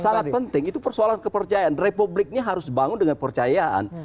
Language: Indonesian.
sangat penting itu persoalan kepercayaan republik ini harus dibangun dengan percayaan